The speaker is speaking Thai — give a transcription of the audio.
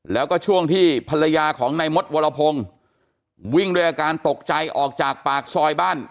แล้วก็ช่วงที่ภรรยาของนายมดวรพงศ์วิ่งด้วยอาการตกใจออกจากปากซอยบ้าน